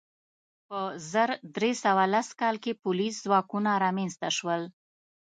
په زر درې سوه لس کال کې پولیس ځواکونه رامنځته شول.